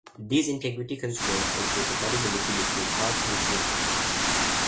These integrity constraints ensure compatibility between parts of the schema.